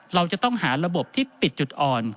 เราจะต้องหาระบบที่ปิดจุดอ่อน